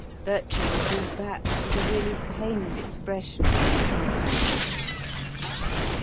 Bertram drew back with a really pained expression on his handsome features.